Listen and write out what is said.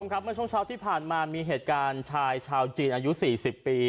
เมื่อช่วงเช้าที่ผ่านมามีเหตุการณ์ชายชาวจีนอายุ๔๐ปี